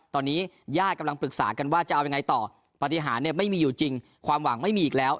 ตอนนี้ญาติกำลังปรึกษากันว่าจะเอายังไงต่อปฏิหารเนี่ยไม่มีอยู่จริงความหวังไม่มีอีกแล้ว